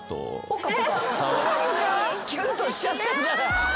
キュンとしちゃってんじゃん。